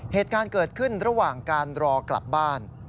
เหตุการณ์เกิดขึ้นระหว่างการรอกลับบ้าน